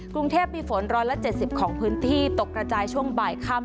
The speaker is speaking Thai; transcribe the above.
กรุงเทพมีฝน๑๗๐ของพื้นที่ตกกระจายช่วงบ่ายค่ำ